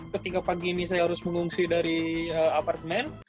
ketika pagi ini saya harus mengungsi dari apartemen